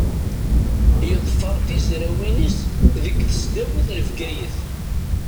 Yeḍfer tizrawin-is deg tesdawit n Bgayet.